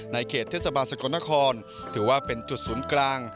เขตเทศบาลสกลนครถือว่าเป็นจุดศูนย์กลาง